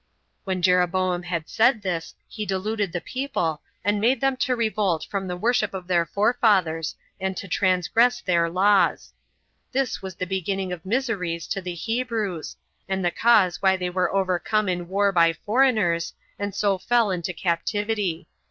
When Jeroboam had said this, he deluded the people, and made them to revolt from the worship of their forefathers, and to transgress their laws. This was the beginning of miseries to the Hebrews, and the cause why they were overcome in war by foreigners, and so fell into captivity.